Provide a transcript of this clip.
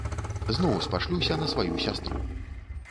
Зноў спашлюся на сваю сястру.